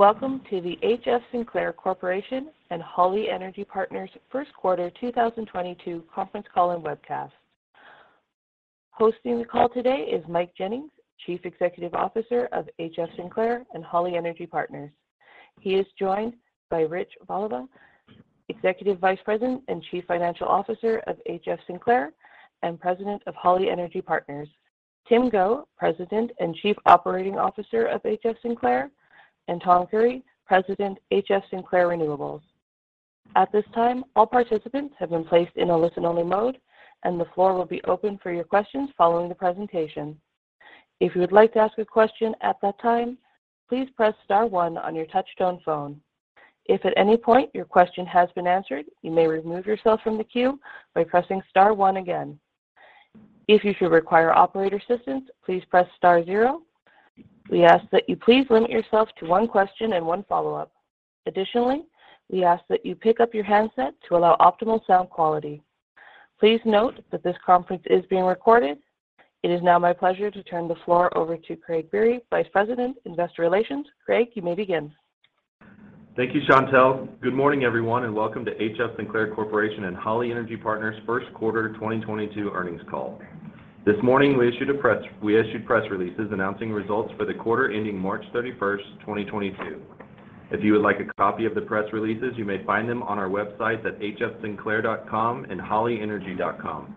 Welcome to the HF Sinclair Corporation and Holly Energy Partners first quarter 2022 conference call and webcast. Hosting the call today is Mike Jennings, Chief Executive Officer of HF Sinclair and Holly Energy Partners. He is joined by Rich Voliva, Executive Vice President and Chief Financial Officer of HF Sinclair and President of Holly Energy Partners. Tim Go, President and Chief Operating Officer of HF Sinclair, and Tom Creery, President, HF Sinclair Renewables. At this time, all participants have been placed in a listen-only mode, and the floor will be open for your questions following the presentation. If you would like to ask a question at that time, please press star one on your touch-tone phone. If at any point your question has been answered, you may remove yourself from the queue by pressing star one again. If you should require operator assistance, please press star zero. We ask that you please limit yourself to one question and one follow-up. Additionally, we ask that you pick up your handset to allow optimal sound quality. Please note that this conference is being recorded. It is now my pleasure to turn the floor over to Craig Biery, Vice President, Investor Relations. Craig, you may begin. Thank you, Chantelle. Good morning, everyone, and welcome to HF Sinclair Corporation and Holly Energy Partners' first quarter 2022 earnings call. This morning, we issued press releases announcing results for the quarter ending March 31, 2022. If you would like a copy of the press releases, you may find them on our website at hfsinclair.com and hollyenergy.com.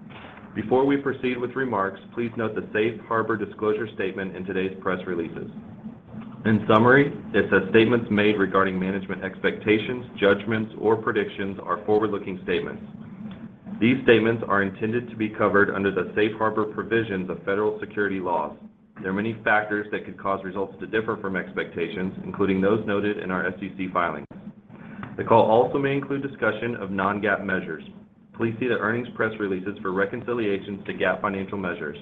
Before we proceed with remarks, please note the safe harbor disclosure statement in today's press releases. In summary, it says statements made regarding management expectations, judgments, or predictions are forward-looking statements. These statements are intended to be covered under the safe harbor provisions of federal security laws. There are many factors that could cause results to differ from expectations, including those noted in our SEC filings. The call also may include discussion of non-GAAP measures. Please see the earnings press releases for reconciliations to GAAP financial measures.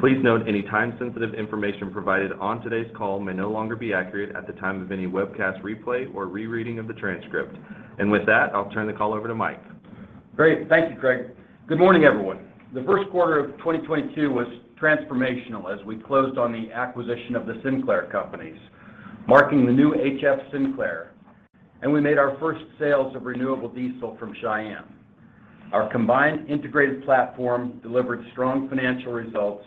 Please note any time-sensitive information provided on today's call may no longer be accurate at the time of any webcast replay or rereading of the transcript. With that, I'll turn the call over to Mike. Great. Thank you, Craig. Good morning, everyone. The first quarter of 2022 was transformational as we closed on the acquisition of the Sinclair companies, marking the new HF Sinclair, and we made our first sales of renewable diesel from Cheyenne. Our combined integrated platform delivered strong financial results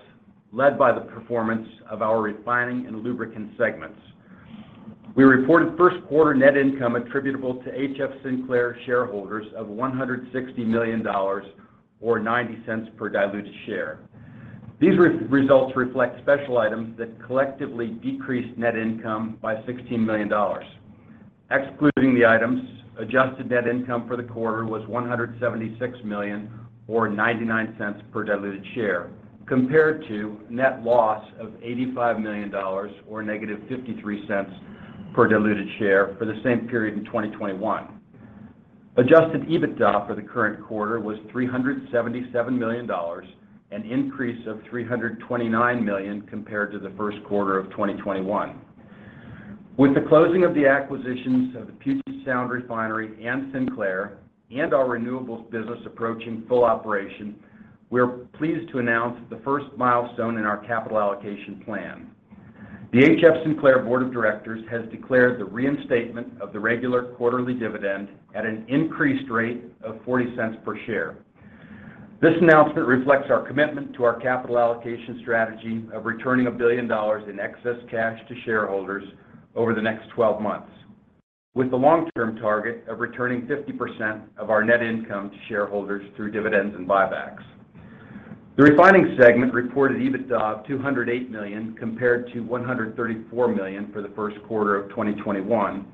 led by the performance of our refining and lubricant segments. We reported first quarter net income attributable to HF Sinclair shareholders of $160 million or $0.90 per diluted share. These results reflect special items that collectively decreased net income by $16 million. Excluding the items, adjusted net income for the quarter was $176 million or $0.99 per diluted share compared to net loss of $85 million or -$0.53 per diluted share for the same period in 2021. Adjusted EBITDA for the current quarter was $377 million, an increase of $329 million compared to the first quarter of 2021. With the closing of the acquisitions of the Puget Sound Refinery and Sinclair and our renewables business approaching full operation, we're pleased to announce the first milestone in our capital allocation plan. The HF Sinclair Board of Directors has declared the reinstatement of the regular quarterly dividend at an increased rate of $0.40 per share. This announcement reflects our commitment to our capital allocation strategy of returning $1 billion in excess cash to shareholders over the next 12 months, with the long-term target of returning 50% of our net income to shareholders through dividends and buybacks. The refining segment reported EBITDA of $208 million compared to $134 million for the first quarter of 2021,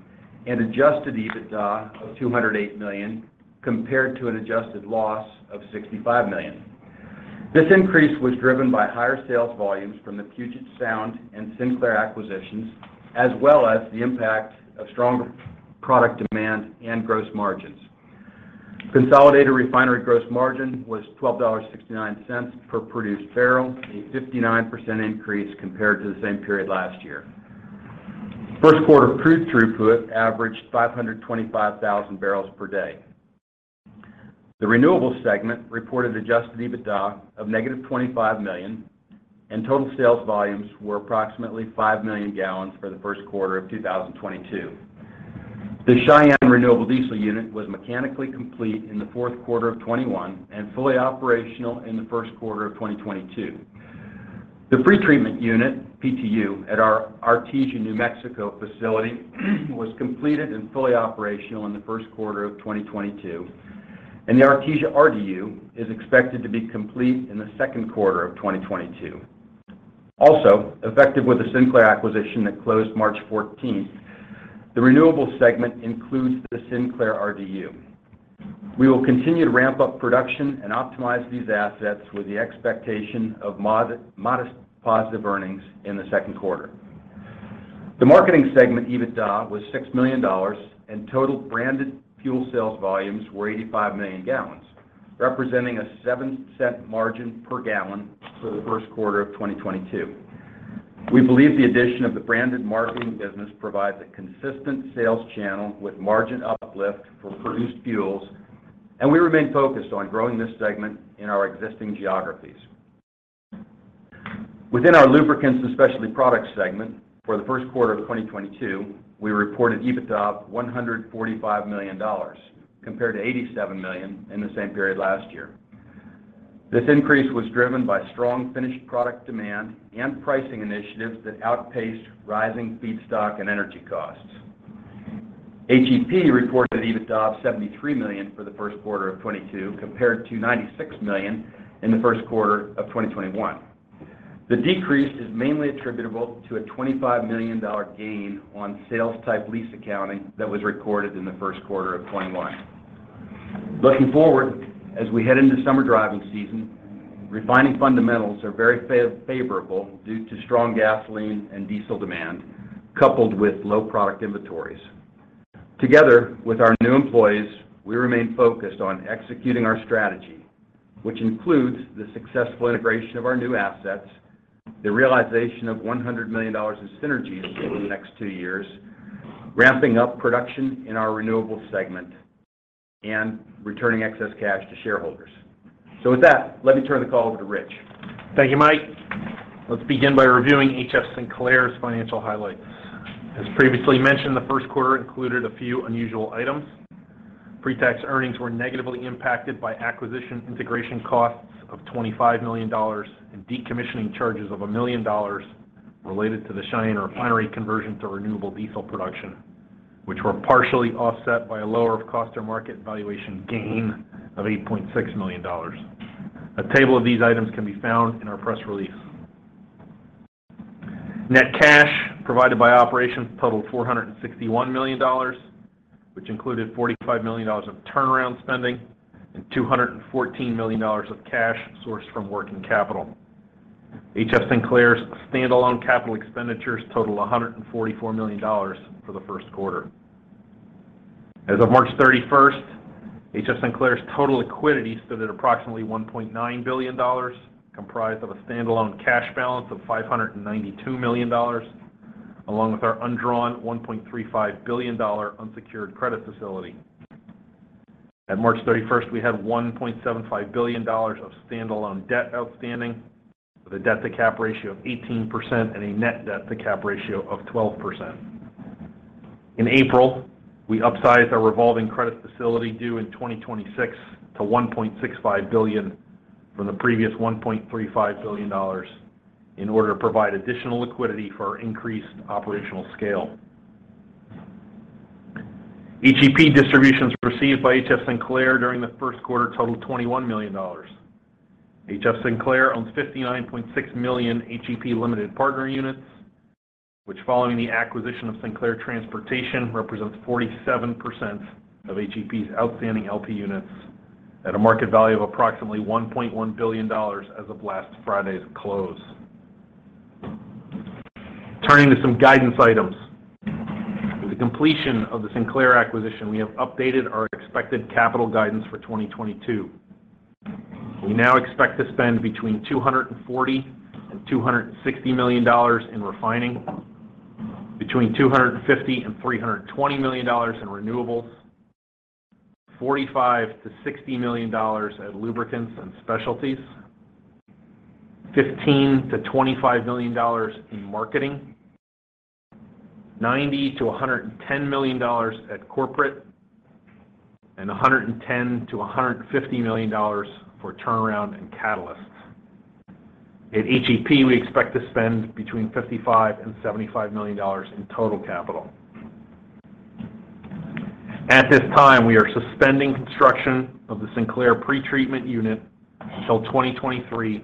and adjusted EBITDA of $208 million compared to an adjusted loss of $65 million. This increase was driven by higher sales volumes from the Puget Sound and Sinclair acquisitions, as well as the impact of stronger product demand and gross margins. Consolidated refinery gross margin was $12.69 per produced barrel, a 59% increase compared to the same period last year. First quarter crude throughput averaged 525,000 barrels per day. The renewables segment reported adjusted EBITDA of -$25 million, and total sales volumes were approximately 5 million gallons for the first quarter of 2022. The Cheyenne renewable diesel unit was mechanically complete in the fourth quarter of 2021 and fully operational in the first quarter of 2022. The Pre-Treatment Unit, PTU, at our Artesia, New Mexico facility was completed and fully operational in the first quarter of 2022, and the Artesia RDU is expected to be complete in the second quarter of 2022. Also, effective with the Sinclair acquisition that closed March 14, the renewables segment includes the Sinclair RDU. We will continue to ramp up production and optimize these assets with the expectation of modest positive earnings in the second quarter. The marketing segment EBITDA was $6 million, and total branded fuel sales volumes were 85 million gallons, representing a $0.07 margin per gallon for the first quarter of 2022. We believe the addition of the branded marketing business provides a consistent sales channel with margin uplift for produced fuels, and we remain focused on growing this segment in our existing geographies. Within our Lubricants and Specialty Products segment for the first quarter of 2022, we reported EBITDA of $145 million compared to $87 million in the same period last year. This increase was driven by strong finished product demand and pricing initiatives that outpaced rising feedstock and energy costs. HEP reported EBITDA of $73 million for the first quarter of 2022 compared to $96 million in the first quarter of 2021. The decrease is mainly attributable to a $25 million gain on sales-type lease accounting that was recorded in the first quarter of 2021. Looking forward, as we head into summer driving season, refining fundamentals are very favorable due to strong gasoline and diesel demand, coupled with low product inventories. Together with our new employees, we remain focused on executing our strategy, which includes the successful integration of our new assets, the realization of $100 million in synergies over the next two years, ramping up production in our renewables segment, and returning excess cash to shareholders. With that, let me turn the call over to Rich. Thank you, Mike. Let's begin by reviewing HF Sinclair's financial highlights. As previously mentioned, the first quarter included a few unusual items. Pre-tax earnings were negatively impacted by acquisition integration costs of $25 million and decommissioning charges of $1 million related to the Cheyenne Refinery conversion to renewable diesel production, which were partially offset by a lower of cost or market valuation gain of $8.6 million. A table of these items can be found in our press release. Net cash provided by operations totaled $461 million, which included $45 million of turnaround spending and $214 million of cash sourced from working capital. HF Sinclair's standalone capital expenditures total $144 million for the first quarter. As of March 31st, HF Sinclair's total liquidity stood at approximately $1.9 billion, comprised of a standalone cash balance of $592 million, along with our undrawn $1.35 billion unsecured credit facility. At March 31, we had $1.75 billion of standalone debt outstanding with a debt-to-cap ratio of 18% and a net debt-to-cap ratio of 12%. In April, we upsized our revolving credit facility due in 2026 to $1.65 billion from the previous $1.35 billion in order to provide additional liquidity for our increased operational scale. HEP distributions received by HF Sinclair during the first quarter totaled $21 million. HF Sinclair owns 59.6 million HEP limited partner units, which, following the acquisition of Sinclair Transportation, represents 47% of HEP's outstanding LP units at a market value of approximately $1.1 billion as of last Friday's close. Turning to some guidance items. With the completion of the Sinclair acquisition, we have updated our expected capital guidance for 2022. We now expect to spend between $240-$260 million in refining, between $250-$320 million in renewables, $45-$60 million at lubricants and specialties, $15-$25 million in marketing, $90-$110 million at corporate, and $110-$150 million for turnaround and catalysts. At HEP, we expect to spend between $55 million and $75 million in total capital. At this time, we are suspending construction of the Sinclair pretreatment unit until 2023,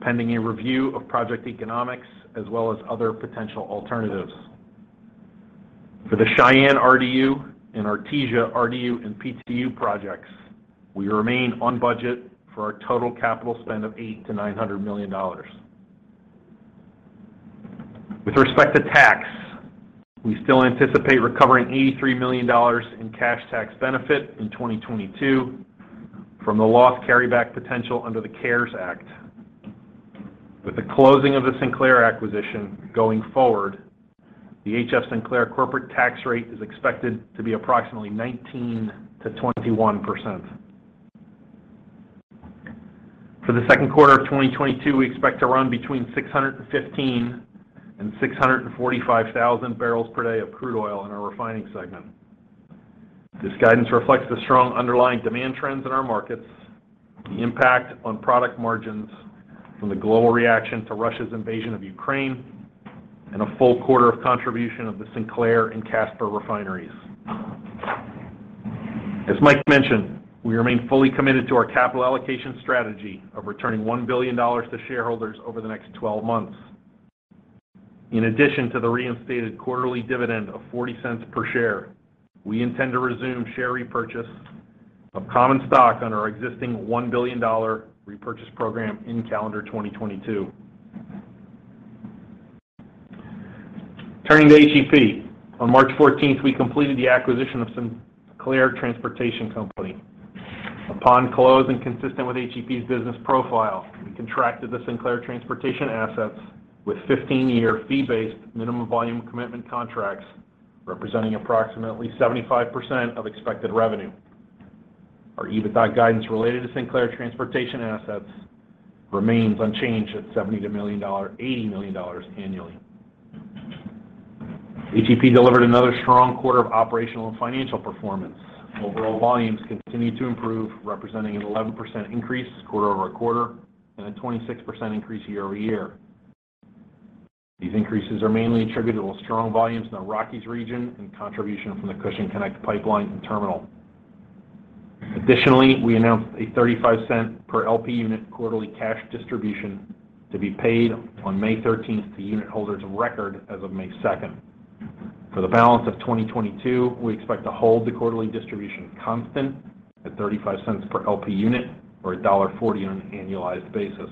pending a review of project economics as well as other potential alternatives. For the Cheyenne RDU and Artesia RDU and PTU projects, we remain on budget for our total capital spend of $800 million-$900 million. With respect to tax, we still anticipate recovering $83 million in cash tax benefit in 2022 from the lost carryback potential under the CARES Act. With the closing of the Sinclair acquisition going forward, the HF Sinclair corporate tax rate is expected to be approximately 19%-21%. For the second quarter of 2022, we expect to run between 615 and 645 thousand barrels per day of crude oil in our refining segment. This guidance reflects the strong underlying demand trends in our markets, the impact on product margins from the global reaction to Russia's invasion of Ukraine, and a full quarter of contribution of the Sinclair and Casper refineries. As Mike mentioned, we remain fully committed to our capital allocation strategy of returning $1 billion to shareholders over the next 12 months. In addition to the reinstated quarterly dividend of $0.40 per share, we intend to resume share repurchase of common stock under our existing $1 billion repurchase program in calendar 2022. Turning to HEP. On March fourteenth, we completed the acquisition of Sinclair Transportation Company. Upon close and consistent with HEP's business profile, we contracted the Sinclair Transportation assets with 15-year fee-based minimum volume commitment contracts representing approximately 75% of expected revenue. Our EBITDA guidance related to Sinclair Transportation assets remains unchanged at $70-$80 million annually. HEP delivered another strong quarter of operational and financial performance. Overall volumes continued to improve, representing an 11% increase quarter-over-quarter and a 26% increase year-over-year. These increases are mainly attributed to strong volumes in the Rockies region and contribution from the Cushing Connect pipeline and terminal. Additionally, we announced a $0.35 per LP unit quarterly cash distribution to be paid on May thirteenth to unit holders of record as of May second. For the balance of 2022, we expect to hold the quarterly distribution constant at 35 cents per LP unit or $1.40 on an annualized basis.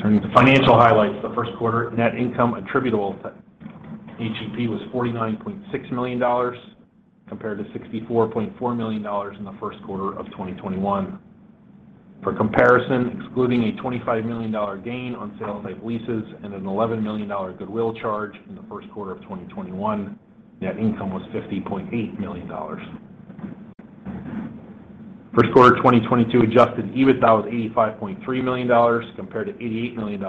Turning to financial highlights. The first quarter net income attributable to HEP was $49.6 million compared to $64.4 million in the first quarter of 2021. For comparison, excluding a $25 million gain on sales-type leases and an $11 million goodwill charge in the first quarter of 2021, net income was $50.8 million. For Q1 2022, adjusted EBITDA was $85.3 million compared to $88 million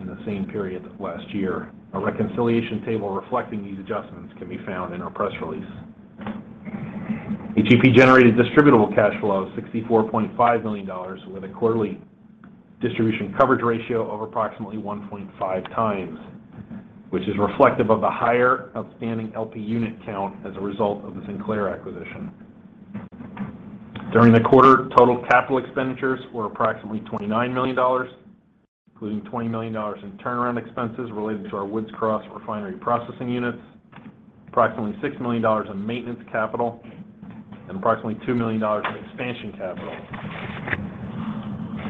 in the same period last year. A reconciliation table reflecting these adjustments can be found in our press release. HEP generated distributable cash flow of $64.5 million, with a quarterly distribution coverage ratio of approximately 1.5 times, which is reflective of the higher outstanding LP unit count as a result of the Sinclair acquisition. During the quarter, total capital expenditures were approximately $29 million, including $20 million in turnaround expenses related to our Woods Cross refinery processing units, approximately $6 million in maintenance capital, and approximately $2 million in expansion capital.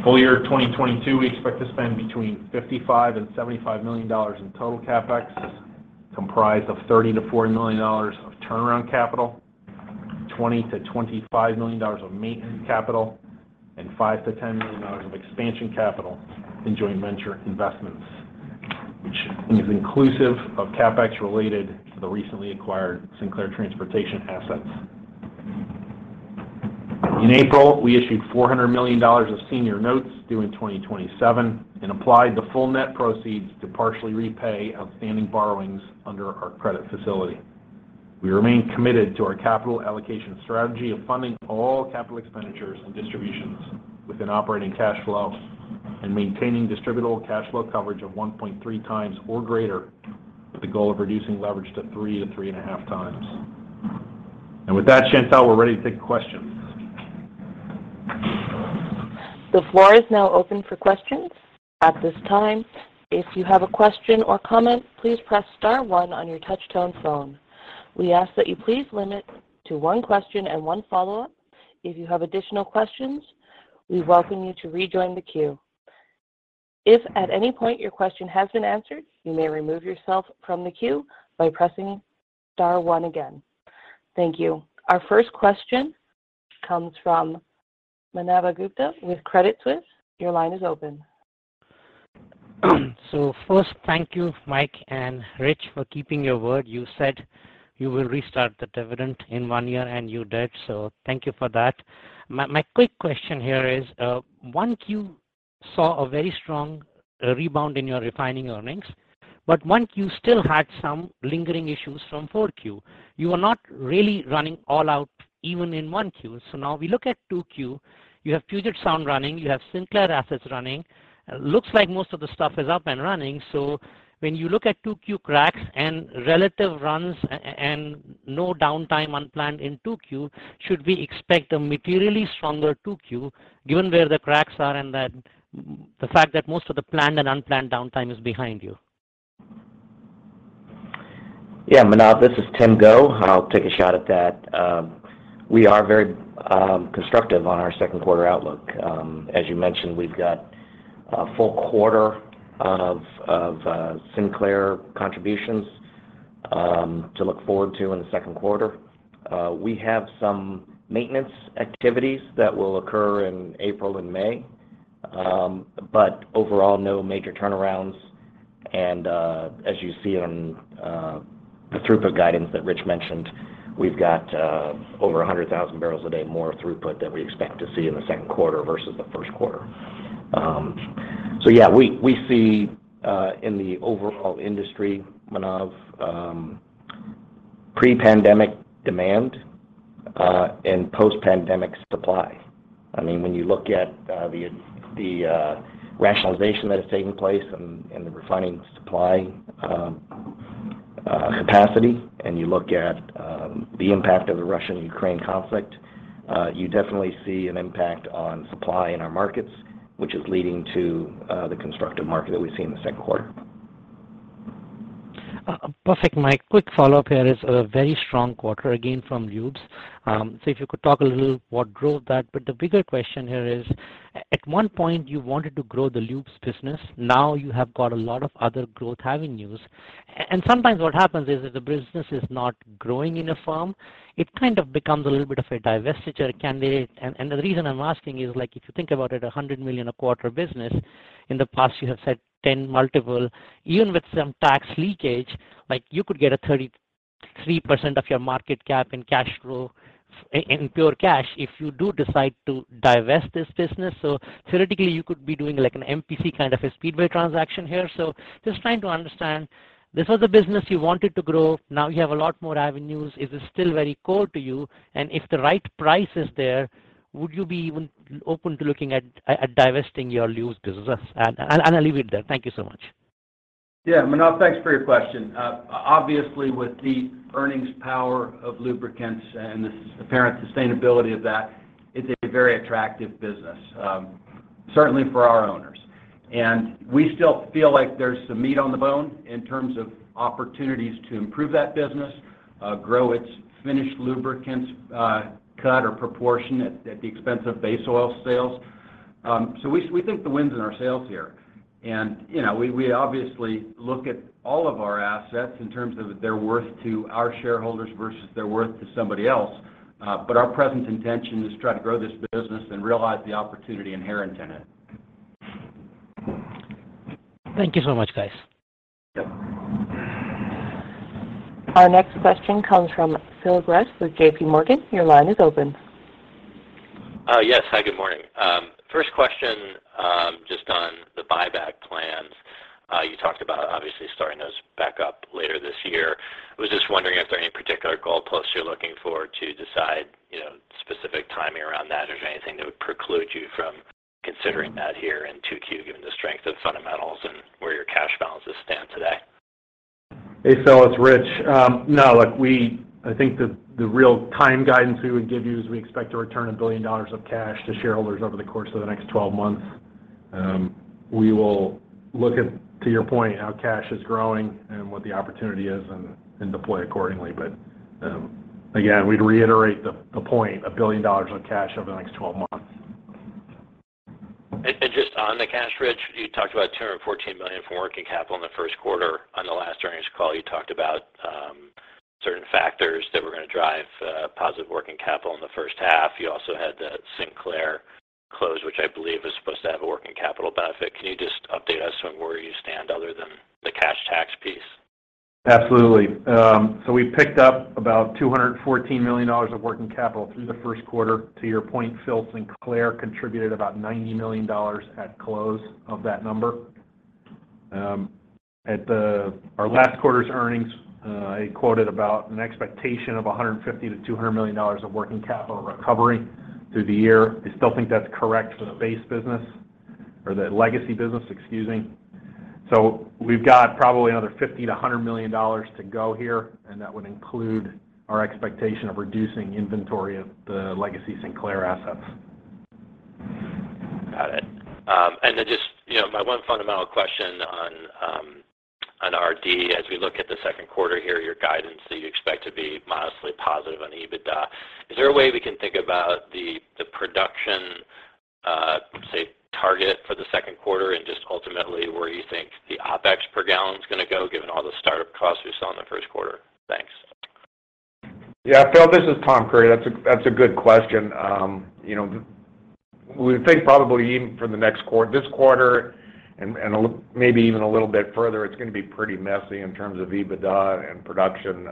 Full year 2022, we expect to spend between $55 million and $75 million in total CapEx, comprised of $30 million-$40 million of turnaround capital, $20 million-$25 million of maintenance capital, and $5 million-$10 million of expansion capital in joint venture investments, which is inclusive of CapEx related to the recently acquired Sinclair Transportation assets. In April, we issued $400 million of senior notes due in 2027 and applied the full net proceeds to partially repay outstanding borrowings under our credit facility. We remain committed to our capital allocation strategy of funding all capital expenditures and distributions with an operating cash flow and maintaining distributable cash flow coverage of 1.3 times or greater, with the goal of reducing leverage to 3-3.5 times. With that, Chantelle, we're ready to take questions. The floor is now open for questions. At this time, if you have a question or comment, please press star one on your touch-tone phone. We ask that you please limit to one question and one follow-up. If you have additional questions, we welcome you to rejoin the queue. If at any point your question has been answered, you may remove yourself from the queue by pressing star one again. Thank you. Our first question comes from Manav Gupta with Credit Suisse. Your line is open. First, thank you, Mike and Rich, for keeping your word. You said you will restart the dividend in one year, and you did. Thank you for that. My quick question here is, 1Q saw a very strong rebound in your refining earnings, but 1Q still had some lingering issues from 4Q. You are not really running all out even in 1Q. Now we look at 2Q, you have Puget Sound running, you have Sinclair assets running. Looks like most of the stuff is up and running. When you look at 2Q cracks and relative runs and no downtime unplanned in 2Q, should we expect a materially stronger 2Q given where the cracks are and that the fact that most of the planned and unplanned downtime is behind you? Yeah. Manav, this is Tim Go. I'll take a shot at that. We are very constructive on our second quarter outlook. As you mentioned, we've got a full quarter of Sinclair contributions to look forward to in the second quarter. We have some maintenance activities that will occur in April and May, but overall, no major turnarounds. As you see on the throughput guidance that Rich mentioned, we've got over 100,000 barrels a day more throughput that we expect to see in the second quarter versus the first quarter. We see in the overall industry, Manav, pre-pandemic demand and post-pandemic supply. I mean, when you look at the rationalization that has taken place in the refining supply capacity and you look at the impact of the Russia-Ukraine conflict, you definitely see an impact on supply in our markets, which is leading to the constructive market that we see in the second quarter. Perfect. My quick follow-up here is a very strong quarter again from Lubes. If you could talk a little what drove that. The bigger question here is, at one point you wanted to grow the Lubes business. Now you have got a lot of other growth avenues. And sometimes what happens is, if the business is not growing in a firm, it kind of becomes a little bit of a divestiture candidate. And the reason I'm asking is, like, if you think about it, a $100 million a quarter business, in the past you have said 10x multiple. Even with some tax leakage, like you could get a 30 3% of your market cap in cash flow in pure cash if you do decide to divest this business. Theoretically, you could be doing like an MPC kind of a Speedway transaction here. Just trying to understand, this was a business you wanted to grow. Now you have a lot more avenues. Is this still very core to you? If the right price is there, would you be even open to looking at divesting your lubes business? I'll leave it there. Thank you so much. Yeah, Manav, thanks for your question. Obviously, with the earnings power of lubricants and the apparent sustainability of that, it's a very attractive business, certainly for our owners. We still feel like there's some meat on the bone in terms of opportunities to improve that business, grow its finished lubricants, cut or proportion at the expense of base oil sales. So we think the wind's in our sails here. You know, we obviously look at all of our assets in terms of their worth to our shareholders versus their worth to somebody else. Our present intention is to try to grow this business and realize the opportunity inherent in it. Thank you so much, guys. Yeah. Our next question comes from Phil Gresh with JPMorgan. Your line is open. Yes. Hi, good morning. First question, just on the buyback plans. You talked about obviously starting those back up later this year. Was just wondering if there are any particular goalposts you're looking for to decide, you know, specific timing around that or if there's anything that would preclude you from considering that here in 2Q, given the strength of fundamentals and where your cash balances stand today. Hey, Phil, it's Rich. No. Look, I think the real time guidance we would give you is we expect to return $1 billion of cash to shareholders over the course of the next 12 months. We will look at, to your point, how cash is growing and what the opportunity is and deploy accordingly. Again, we'd reiterate the point, $1 billion of cash over the next 12 months. Just on the cash, Rich, you talked about $214 million from working capital in the first quarter. On the last earnings call, you talked about certain factors that were gonna drive positive working capital in the first half. You also had the Sinclair close, which I believe is supposed to have a working capital benefit. Can you just update us on where you stand other than the cash tax piece? Absolutely. So we picked up about $214 million of working capital through the first quarter. To your point, Phil, Sinclair contributed about $90 million at close of that number. Our last quarter's earnings, I quoted about an expectation of $150-$200 million of working capital recovery through the year. I still think that's correct for the base business or the legacy business, excluding. We've got probably another $50-$100 million to go here, and that would include our expectation of reducing inventory of the legacy Sinclair assets. Got it. Just, you know, my one fundamental question on RD. As we look at the second quarter here, your guidance that you expect to be modestly positive on EBITDA, is there a way we can think about the production, say, target for the second quarter and just ultimately where you think the OpEx per gallon is gonna go given all the start-up costs we saw in the first quarter? Thanks. Yeah, Phil, this is Tom Creery. That's a good question. You know, we think probably even for the next this quarter and maybe even a little bit further, it's gonna be pretty messy in terms of EBITDA and production.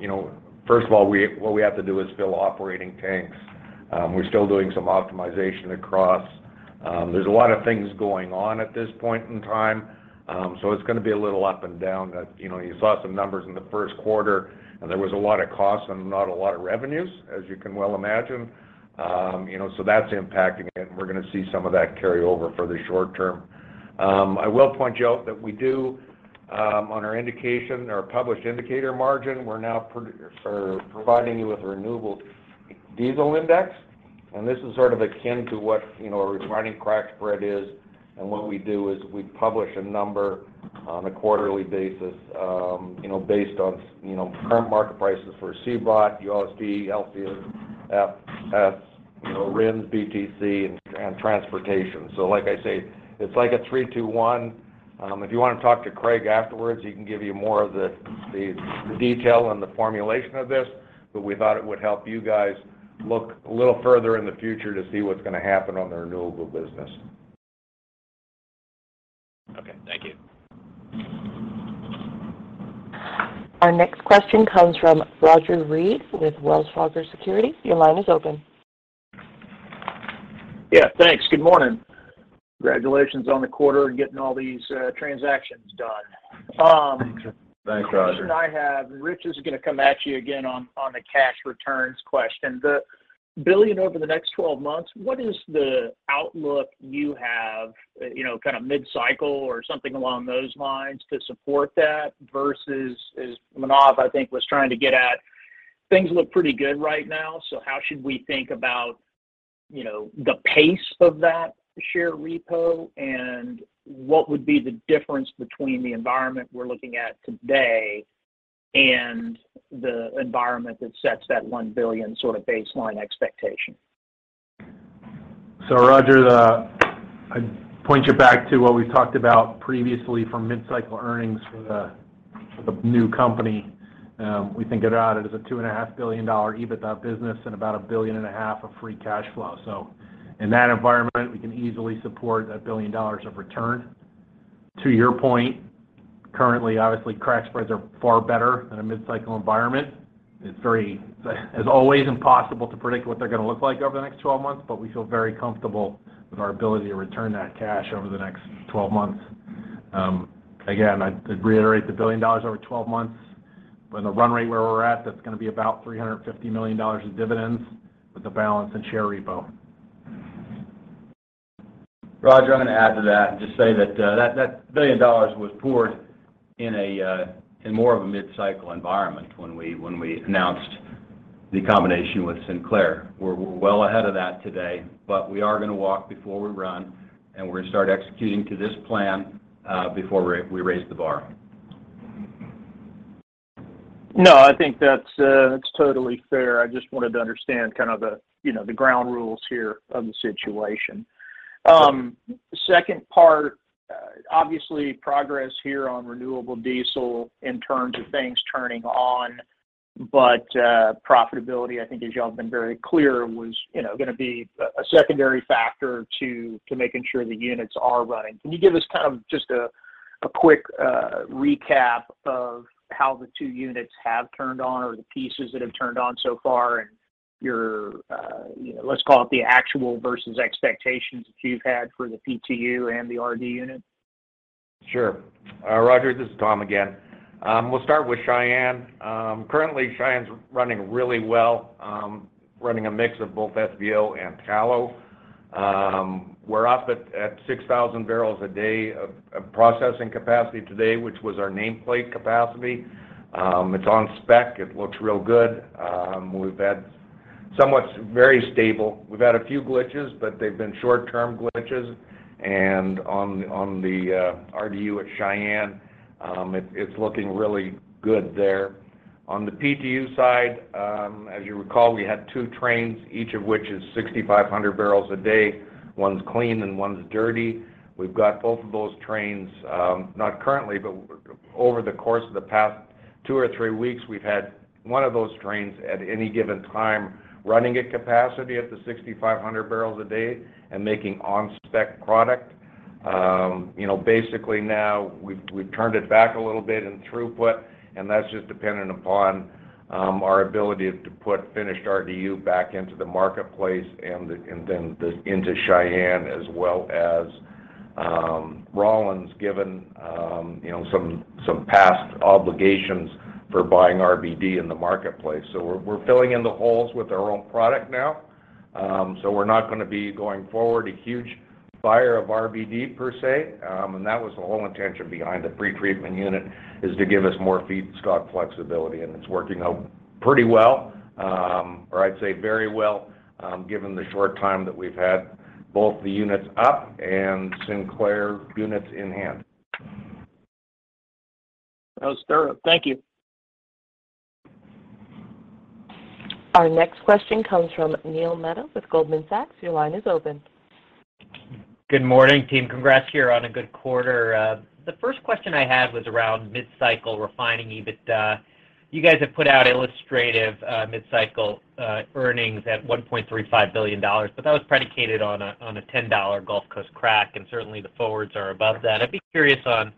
You know, first of all, what we have to do is fill operating tanks. We're still doing some optimization across. There's a lot of things going on at this point in time, so it's gonna be a little up and down. You know, you saw some numbers in the first quarter, and there was a lot of costs and not a lot of revenues, as you can well imagine. You know, so that's impacting it, and we're gonna see some of that carry over for the short term. I will point you out that we do, on our indication or published indicator margin, we're now providing you with a renewable diesel index, and this is sort of akin to what, you know, a refining crack spread is. What we do is we publish a number on a quarterly basis, you know, based on, you know, current market prices for CBOT, ULSD, LCFS, you know, RINs, BTC, and transportation. Like I say, it's like a 3-2-1. If you wanna talk to Craig afterwards, he can give you more of the detail and the formulation of this. We thought it would help you guys look a little further in the future to see what's gonna happen on the renewable business. Okay. Thank you. Our next question comes from Roger Read with Wells Fargo Securities. Your line is open. Yeah. Thanks. Good morning. Congratulations on the quarter and getting all these transactions done. Thanks Roger. The question I have, and Rich is gonna come at you again on the cash returns question. The $1 billion over the next 12 months, what is the outlook you have, you know, kind of mid-cycle or something along those lines to support that versus, as Manav, I think, was trying to get at, things look pretty good right now. How should we think about, you know, the pace of that share repo, and what would be the difference between the environment we're looking at today and the environment that sets that $1 billion sort of baseline expectation? Roger, I'd point you back to what we talked about previously for mid-cycle earnings for the new company. We think of it as a $2.5 billion EBITDA business and about $1.5 billion of free cash flow. In that environment, we can easily support that $1 billion of return. To your point, currently, obviously, crack spreads are far better in a mid-cycle environment. It's always impossible to predict what they're gonna look like over the next 12 months, but we feel very comfortable with our ability to return that cash over the next 12 months. Again, I'd reiterate the $1 billion over 12 months. With the run rate where we're at, that's gonna be about $350 million in dividends with the balance in share repo. Roger, I'm gonna add to that and just say that that $1 billion was poured in more of a mid-cycle environment when we announced the combination with Sinclair. We're well ahead of that today, but we are gonna walk before we run, and we're gonna start executing to this plan before we raise the bar. No, I think that's totally fair. I just wanted to understand kind of the, you know, the ground rules here of the situation. Second part, obviously progress here on renewable diesel in terms of things turning on, but profitability, I think as y'all have been very clear, was, you know, gonna be a secondary factor to making sure the units are running. Can you give us kind of just a quick recap of how the two units have turned on or the pieces that have turned on so far and your, let's call it the actual versus expectations that you've had for the PTU and the RDU units? Sure. Roger, this is Tom again. We'll start with Cheyenne. Currently, Cheyenne's running really well, running a mix of both SVO and tallow. We're up at 6,000 barrels a day of processing capacity today, which was our nameplate capacity. It's on spec. It looks real good. We've had somewhat very stable. We've had a few glitches, but they've been short-term glitches. On the RDU at Cheyenne, it's looking really good there. On the PTU side, as you recall, we had two trains, each of which is 6,500 barrels a day. One's clean and one's dirty. We've got both of those trains, not currently, but over the course of the past two or three weeks, we've had one of those trains at any given time running at capacity at the 6,500 barrels a day and making on-spec product. You know, basically now we've turned it back a little bit in throughput, and that's just dependent upon our ability to put finished RDU back into the marketplace and into Cheyenne as well as Rawlins given, you know, some past obligations for buying RBD in the marketplace. We're filling in the holes with our own product now. We're not gonna be going forward a huge buyer of RBD per se. That was the whole intention behind the pretreatment unit, is to give us more feedstock flexibility, and it's working out pretty well, or I'd say very well, given the short time that we've had both the units up and Sinclair units in hand. That was thorough. Thank you. Our next question comes from Neil Mehta with Goldman Sachs. Your line is open. Good morning, team. Congrats, you're on a good quarter. The first question I had was around mid-cycle refining EBITDA. You guys have put out illustrative mid-cycle earnings at $1.35 billion, but that was predicated on a $10 Gulf Coast crack, and certainly, the forwards are above that. I'd be curious on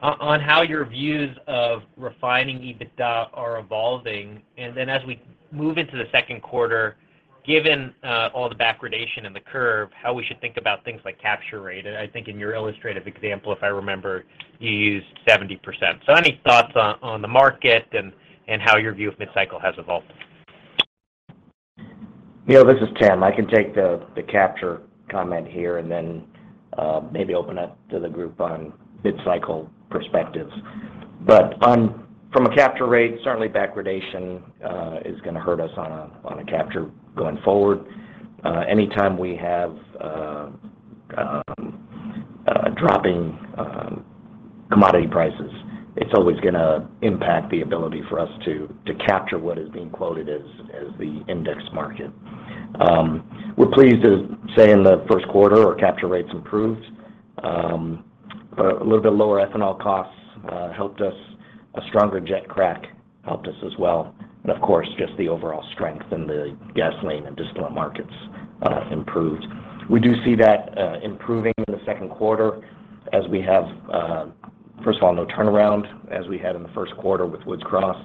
how your views of refining EBITDA are evolving. Then as we move into the second quarter, given all the backwardation in the curve, how we should think about things like capture rate. I think in your illustrative example, if I remember, you used 70%. Any thoughts on the market and how your view of mid-cycle has evolved? Neal, this is Tim. I can take the capture comment here and then maybe open up to the group on mid-cycle perspectives. From a capture rate, certainly backwardation is gonna hurt us on a capture going forward. Anytime we have dropping commodity prices, it's always gonna impact the ability for us to capture what is being quoted as the index market. We're pleased to say in the first quarter, our capture rates improved. A little bit lower ethanol costs helped us. A stronger jet crack helped us as well. Of course, just the overall strength in the gasoline and distillate markets improved. We do see that improving in the second quarter as we have, first of all, no turnaround as we had in the first quarter with Woods Cross,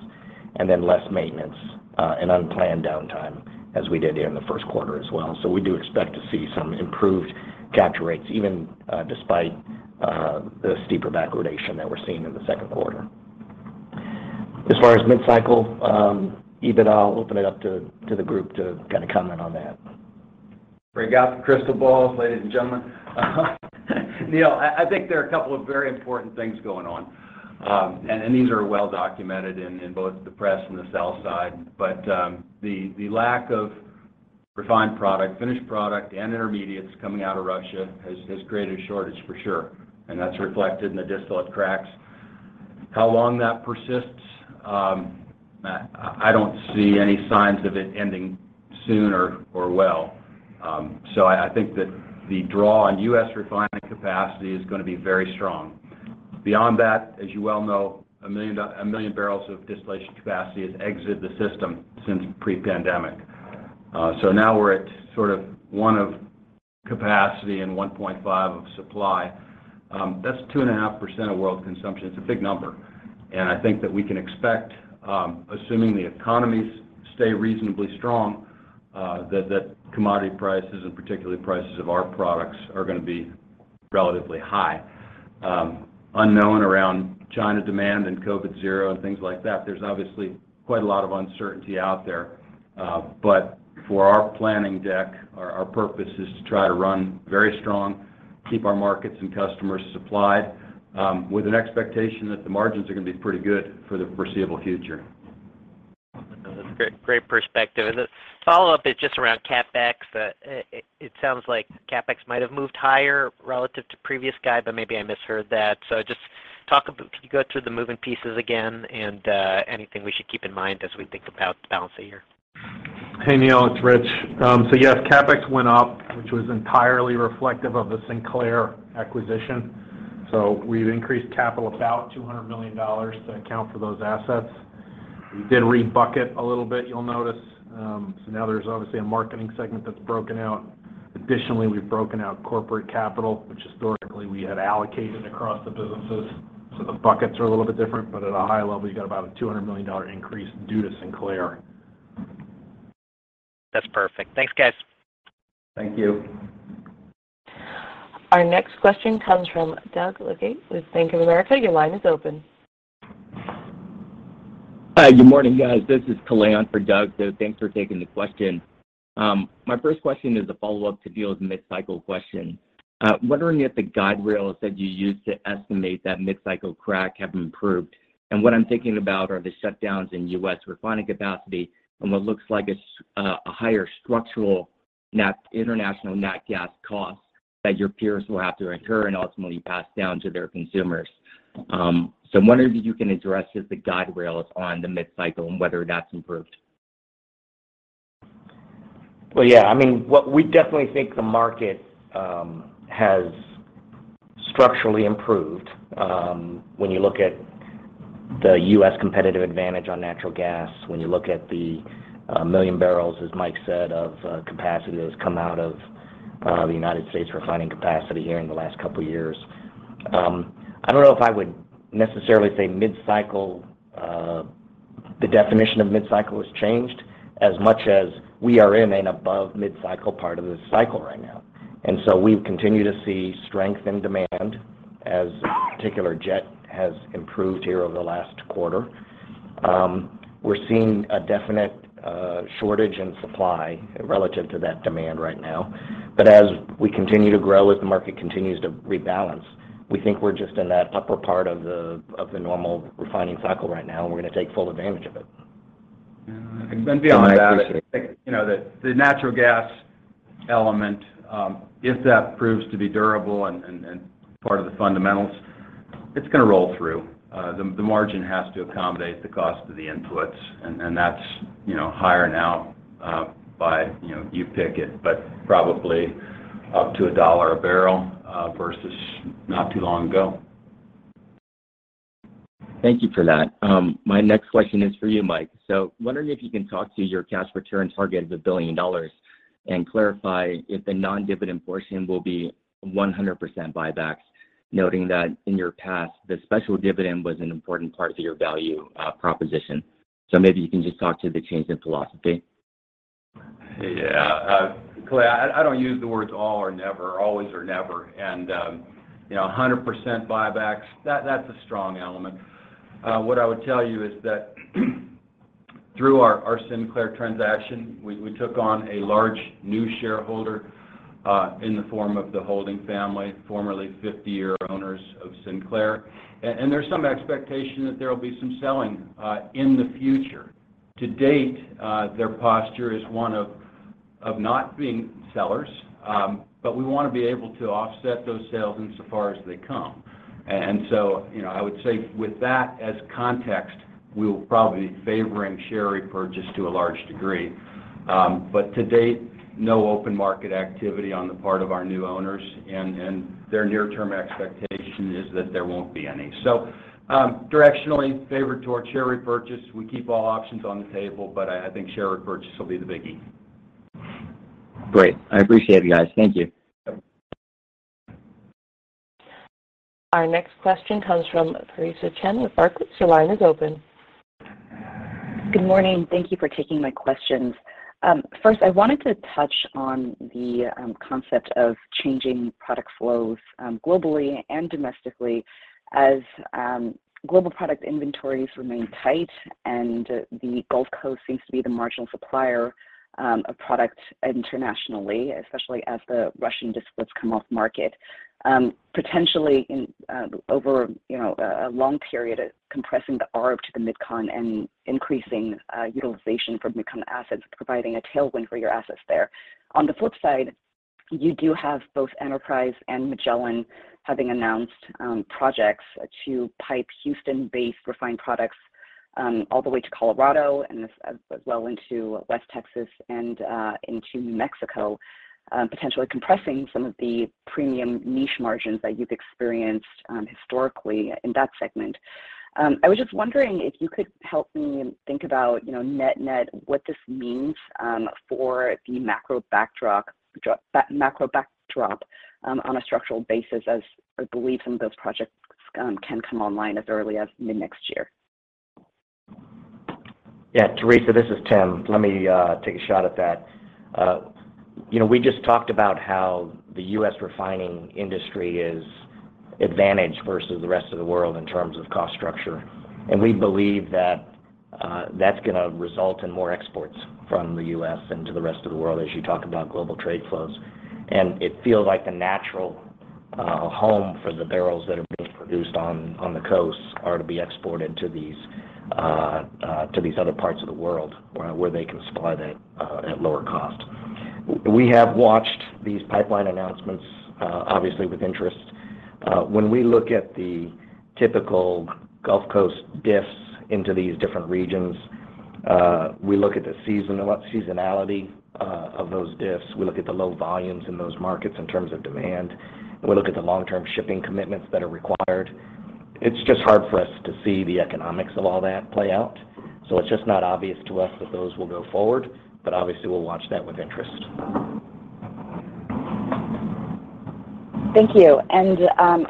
and then less maintenance and unplanned downtime as we did in the first quarter as well. We do expect to see some improved capture rates, even despite the steeper backwardation that we're seeing in the second quarter. As far as mid-cycle EBITDA, I'll open it up to the group to kind of comment on that. Break out the crystal balls, ladies and gentlemen. Neil, I think there are a couple of very important things going on, and these are well documented in both the press and the sell side. The lack of refined product, finished product, and intermediates coming out of Russia has created a shortage for sure, and that's reflected in the distillate cracks. How long that persists, I don't see any signs of it ending soon or well. I think that the draw on U.S. refining capacity is gonna be very strong. Beyond that, as you well know, 1 million barrels of distillation capacity has exited the system since pre-pandemic. Now we're at sort of 1% of capacity and 1.5% of supply. That's 2.5% of world consumption. It's a big number. I think that we can expect, assuming the economies stay reasonably strong, that commodity prices and particularly prices of our products are gonna be relatively high. Unknowns around China demand and COVID zero and things like that, there's obviously quite a lot of uncertainty out there. For our planning deck, our purpose is to try to run very strong, keep our markets and customers supplied, with an expectation that the margins are gonna be pretty good for the foreseeable future. That's great perspective. The follow-up is just around CapEx. It sounds like CapEx might have moved higher relative to previous guide, but maybe I misheard that. Just could you go through the moving pieces again and anything we should keep in mind as we think about the balance of the year? Hey, Neal, it's Rich. Yes, CapEx went up, which was entirely reflective of the Sinclair acquisition. We've increased capital about $200 million to account for those assets. We did re-bucket a little bit, you'll notice. Now there's obviously a marketing segment that's broken out. Additionally, we've broken out corporate capital, which historically we had allocated across the businesses. The buckets are a little bit different, but at a high level, you got about a $200 million increase due to Sinclair. That's perfect. Thanks, guys. Thank you. Our next question comes from Doug Leggate with Bank of America. Your line is open. Hi. Good morning, guys. This is Kalei in for Doug. Thanks for taking the question. My first question is a follow-up to Neal's mid-cycle question. Wondering if the guide rails that you used to estimate that mid-cycle crack have improved. What I'm thinking about are the shutdowns in U.S. refining capacity and what looks like a higher structural international natural gas cost that your peers will have to incur and ultimately pass down to their consumers. I'm wondering if you can address just the guide rails on the mid-cycle and whether that's improved. Well, yeah, I mean, what we definitely think the market has structurally improved, when you look at the U.S. competitive advantage on natural gas, when you look at the million barrels, as Mike said, of capacity that has come out of the United States refining capacity here in the last couple of years. I don't know if I would necessarily say mid-cycle. The definition of mid-cycle has changed as much as we are in an above mid-cycle part of this cycle right now. We continue to see strength in demand, particularly jet has improved here over the last quarter. We're seeing a definite shortage in supply relative to that demand right now. As we continue to grow, as the market continues to rebalance, we think we're just in that upper part of the normal refining cycle right now, and we're gonna take full advantage of it. Beyond that. I appreciate that. You know, the natural gas element, if that proves to be durable and part of the fundamentals, it's gonna roll through. The margin has to accommodate the cost of the inputs, and that's, you know, higher now, by, you know, you pick it, but probably up to $1 a barrel, versus not too long ago. Thank you for that. My next question is for you, Mike. Wondering if you can talk to your cash return target of $1 billion and clarify if the non-dividend portion will be 100% buybacks, noting that in your past, the special dividend was an important part of your value proposition. Maybe you can just talk to the change in philosophy. Yeah. Kalei, I don't use the words all or never, always or never. You know, 100% buybacks, that's a strong element. What I would tell you is that through our Sinclair transaction, we took on a large new shareholder, in the form of the Holding family, formerly 50-year owners of Sinclair. There's some expectation that there will be some selling in the future. To date, their posture is one of not being sellers, but we wanna be able to offset those sales insofar as they come. You know, I would say with that as context, we will probably be favoring share repurchase to a large degree. To date, no open market activity on the part of our new owners, and their near-term expectation is that there won't be any. Directionally favored toward share repurchase. We keep all options on the table, but I think share repurchase will be the biggie. Great. I appreciate it, you guys. Thank you. Our next question comes from Theresa Chen with Barclays. Your line is open. Good morning. Thank you for taking my questions. First, I wanted to touch on the concept of changing product flows globally and domestically as global product inventories remain tight and the Gulf Coast seems to be the marginal supplier of product internationally, especially as the Russian diesels come off market. Potentially in over you know a long period of compressing the arb to the MidCon and increasing utilization from MidCon assets, providing a tailwind for your assets there. On the flip side, you do have both Enterprise and Magellan having announced projects to pipe Houston-based refined products all the way to Colorado and as well into West Texas and into New Mexico. Potentially compressing some of the premium niche margins that you've experienced historically in that segment. I was just wondering if you could help me and think about, you know, net-net, what this means for the macro backdrop on a structural basis as I believe some of those projects can come online as early as mid-next year. Yeah, Theresa, this is Tim. Let me take a shot at that. You know, we just talked about how the U.S. refining industry is advantaged versus the rest of the world in terms of cost structure. We believe that that's gonna result in more exports from the U.S. into the rest of the world as you talk about global trade flows. It feels like the natural home for the barrels that are being produced on the coasts are to be exported to these other parts of the world where they can supply that at lower cost. We have watched these pipeline announcements obviously with interest. When we look at the typical Gulf Coast diffs into these different regions, we look at the seasonality of those diffs. We look at the low volumes in those markets in terms of demand. We look at the long-term shipping commitments that are required. It's just hard for us to see the economics of all that play out. It's just not obvious to us that those will go forward, but obviously, we'll watch that with interest. Thank you.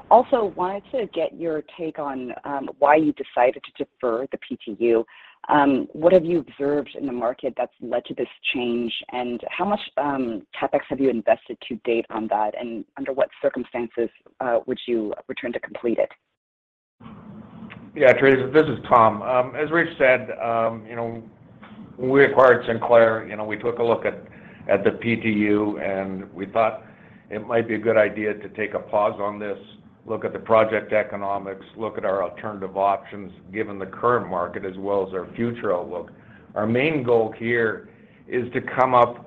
Also wanted to get your take on why you decided to defer the PTU. What have you observed in the market that's led to this change, and how much CapEx have you invested to date on that, and under what circumstances would you return to complete it? Yeah, Theresa, this is Tom. As Rich said, you know, when we acquired Sinclair, you know, we took a look at the PTU, and we thought it might be a good idea to take a pause on this, look at the project economics, look at our alternative options, given the current market as well as our future outlook. Our main goal here is to come up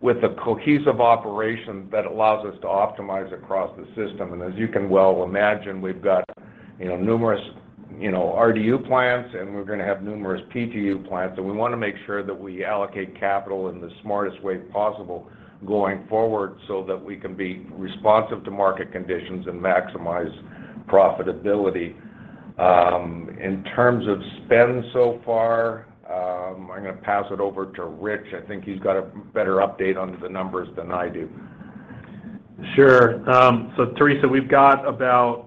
with a cohesive operation that allows us to optimize across the system. As you can well imagine, we've got, you know, numerous, you know, RDU plants, and we're gonna have numerous PTU plants, and we wanna make sure that we allocate capital in the smartest way possible going forward so that we can be responsive to market conditions and maximize profitability. In terms of spend so far, I'm gonna pass it over to Rich. I think he's got a better update on the numbers than I do. Sure. Theresa, we've got about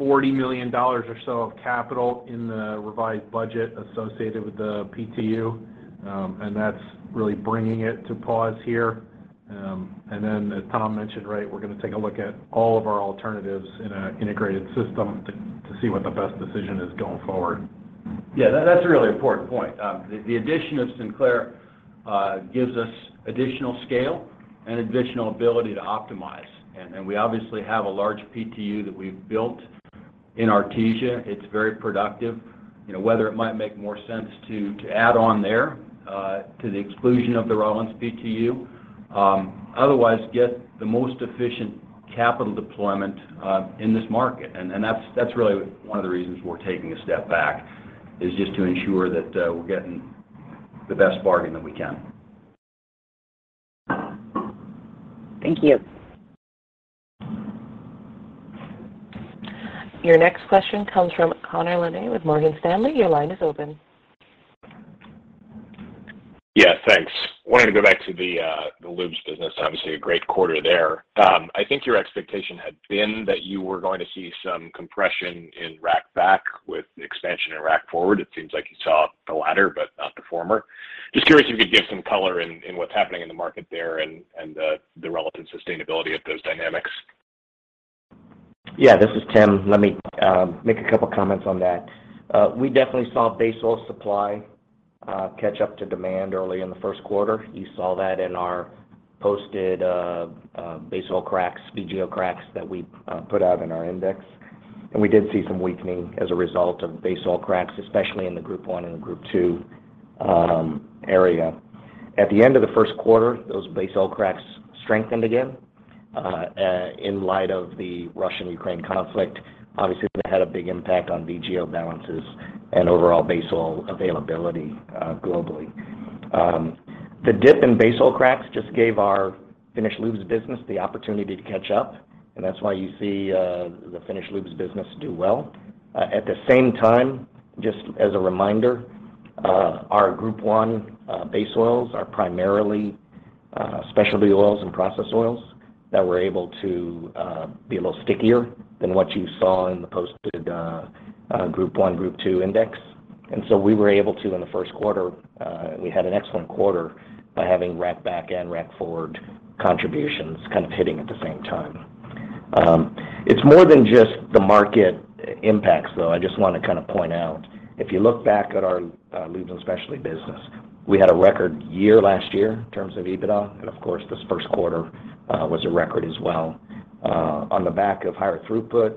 $40 million or so of capital in the revised budget associated with the PTU, and that's really bringing it to pause here. As Tom mentioned, right, we're gonna take a look at all of our alternatives in an integrated system to see what the best decision is going forward. Yeah, that's a really important point. The addition of Sinclair gives us additional scale and additional ability to optimize. We obviously have a large PTU that we've built in Artesia. It's very productive. Whether it might make more sense to add on there to the exclusion of the Rawlins PTU otherwise get the most efficient capital deployment in this market. That's really one of the reasons we're taking a step back is just to ensure that we're getting the best bargain that we can. Thank you. Your next question comes from Connor Lynagh with Morgan Stanley. Your line is open. Yeah, thanks. Wanted to go back to the lubes business. Obviously a great quarter there. I think your expectation had been that you were going to see some compression in rack back with expansion in rack forward. It seems like you saw the latter but not the former. Just curious if you could give some color in what's happening in the market there and the relevant sustainability of those dynamics. Yeah, this is Tim. Let me make a couple comments on that. We definitely saw base oil supply catch up to demand early in the first quarter. You saw that in our posted base oil cracks, VGO cracks that we put out in our index. We did see some weakening as a result of base oil cracks, especially in the Group I and Group II area. At the end of the first quarter, those base oil cracks strengthened again in light of the Russia-Ukraine conflict. Obviously, that had a big impact on VGO balances and overall base oil availability globally. The dip in base oil cracks just gave our finished lubes business the opportunity to catch up, and that's why you see the finished lubes business do well. At the same time, just as a reminder, our Group I base oils are primarily specialty oils and process oils that were able to be a little stickier than what you saw in the posted Group I, Group II index. We were able to in the first quarter, we had an excellent quarter by having rack back and rack forward contributions kind of hitting at the same time. It's more than just the market impacts, though. I just wanna kind of point out, if you look back at our lubes and specialty business, we had a record year last year in terms of EBITDA, and of course, this first quarter was a record as well. On the back of higher throughput,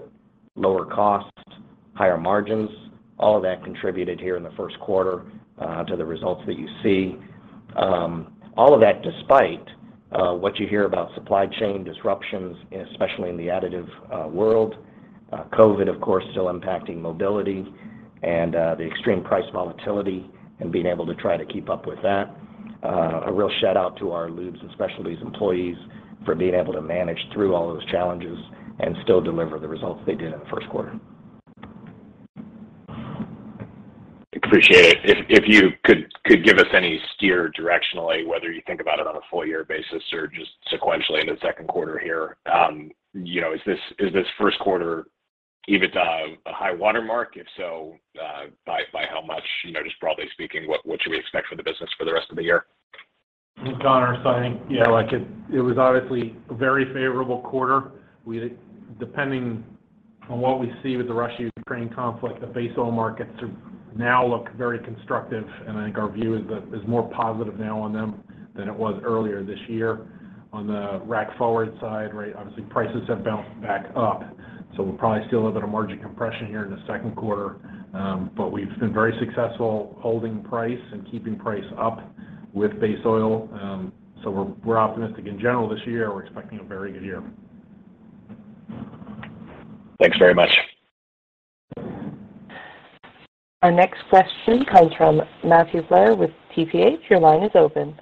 lower costs, higher margins, all of that contributed here in the first quarter to the results that you see. All of that despite what you hear about supply chain disruptions, especially in the additive world. COVID, of course, still impacting mobility and the extreme price volatility and being able to try to keep up with that. A real shout-out to our lubes and specialties employees for being able to manage through all those challenges and still deliver the results they did in the first quarter. Appreciate it. If you could give us any steer directionally, whether you think about it on a full year basis or just sequentially in the second quarter here? You know, is this first quarter even a high watermark? If so, by how much? You know, just broadly speaking, what should we expect for the business for the rest of the year? Connor, I think, yeah, like it was obviously a very favorable quarter. Depending on what we see with the Russia-Ukraine conflict, the base oil markets now look very constructive, and I think our view is that it's more positive now on them than it was earlier this year. On the rack forward side, right, obviously prices have bounced back up, so we'll probably see a little bit of margin compression here in the second quarter. We've been very successful holding price and keeping price up with base oil. We're optimistic in general this year. We're expecting a very good year. Thanks very much. Our next question comes from Matthew Blair with TPH. Your line is open.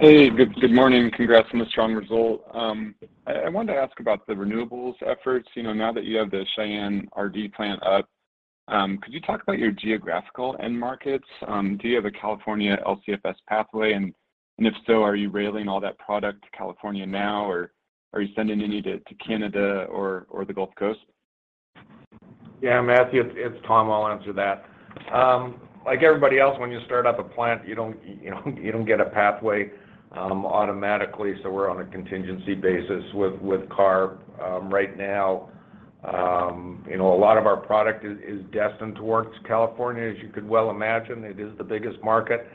Hey. Good morning. Congrats on the strong result. I wanted to ask about the renewables efforts. You know, now that you have the Cheyenne RDU up, could you talk about your geographical end markets? Do you have a California LCFS pathway? If so, are you railing all that product to California now, or are you sending any to Canada or the Gulf Coast? Yeah, Matthew, it's Tom. I'll answer that. Like everybody else, when you start up a plant, you don't get a pathway automatically, so we're on a contingency basis with CARB. Right now, you know, a lot of our product is destined towards California. As you could well imagine, it is the biggest market.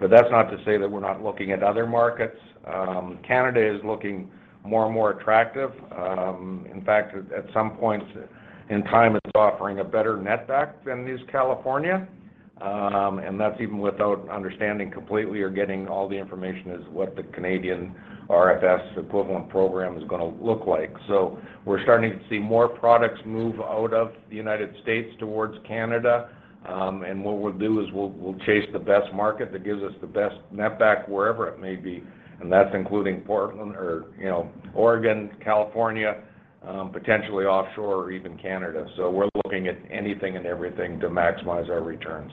That's not to say that we're not looking at other markets. Canada is looking more and more attractive. In fact, at some points in time it's offering a better net back than is California. That's even without understanding completely or getting all the information as what the Canadian CFS equivalent program is gonna look like. We're starting to see more products move out of the United States towards Canada. What we'll do is we'll chase the best market that gives us the best net back wherever it may be, and that's including Portland or, you know, Oregon, California, potentially offshore or even Canada. We're looking at anything and everything to maximize our returns.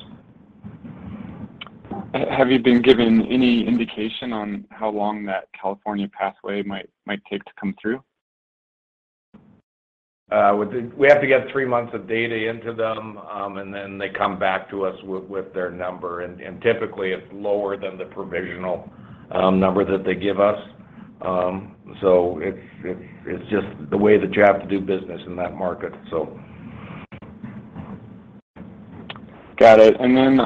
Have you been given any indication on how long that California pathway might take to come through? We have to get three months of data into them, and then they come back to us with their number. Typically it's lower than the provisional number that they give us. It's just the way that you have to do business in that market, so. Got it. Then,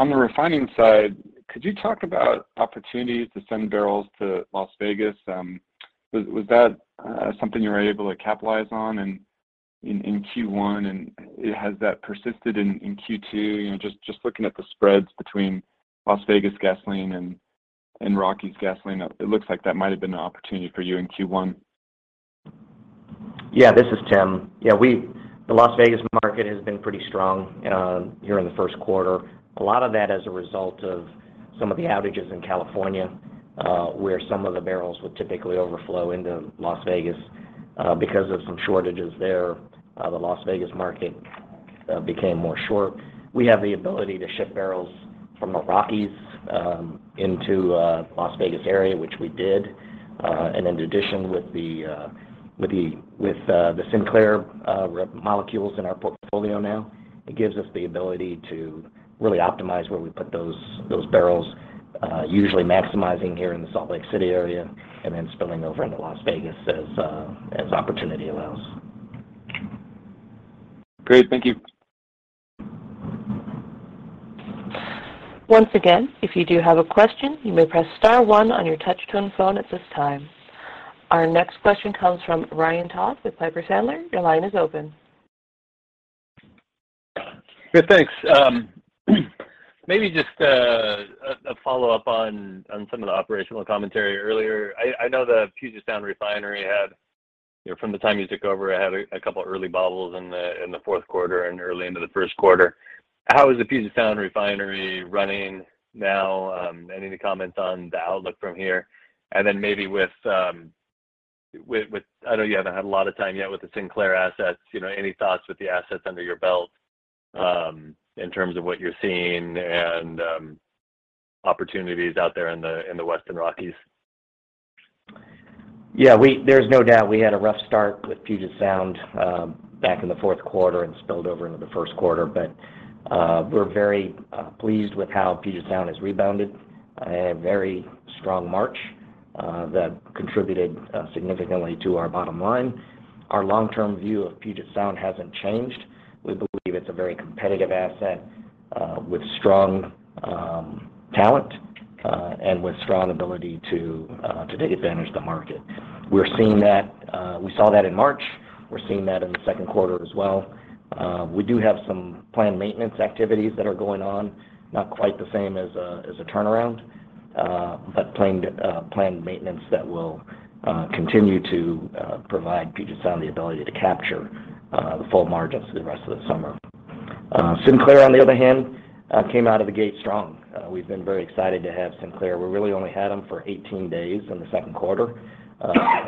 on the refining side, could you talk about opportunities to send barrels to Las Vegas? Was that something you were able to capitalize on in Q1? Has that persisted in Q2? You know, just looking at the spreads between Las Vegas gasoline and Rockies gasoline, it looks like that might've been an opportunity for you in Q1. Yeah, this is Tim. The Las Vegas market has been pretty strong here in the first quarter. A lot of that as a result of some of the outages in California, where some of the barrels would typically overflow into Las Vegas. Because of some shortages there, the Las Vegas market became more short. We have the ability to ship barrels from the Rockies into Las Vegas area, which we did. In addition, with the Sinclair molecules in our portfolio now, it gives us the ability to really optimize where we put those barrels. Usually maximizing here in the Salt Lake City area and then spilling over into Las Vegas as opportunity allows. Great. Thank you. Once again, if you do have a question, you may press star one on your touch-tone phone at this time. Our next question comes from Ryan Todd with Piper Sandler. Your line is open. Good. Thanks. Maybe just a follow-up on some of the operational commentary earlier. I know the Puget Sound Refinery had, you know, from the time you took over, had a couple early bobbles in the fourth quarter and early into the first quarter. How is the Puget Sound Refinery running now? Any comments on the outlook from here? I know you haven't had a lot of time yet with the Sinclair assets. You know, any thoughts with the assets under your belt, in terms of what you're seeing and opportunities out there in the Western Rockies? There's no doubt we had a rough start with Puget Sound back in the fourth quarter and spilled over into the first quarter. We're very pleased with how Puget Sound has rebounded. A very strong March that contributed significantly to our bottom line. Our long-term view of Puget Sound hasn't changed. We believe it's a very competitive asset with strong talent and with strong ability to take advantage of the market. We saw that in March. We're seeing that in the second quarter as well. We do have some planned maintenance activities that are going on, not quite the same as a turnaround, but planned maintenance that will continue to provide Puget Sound the ability to capture the full margins for the rest of the summer. Sinclair on the other hand came out of the gate strong. We've been very excited to have Sinclair. We really only had them for 18 days in the second quarter.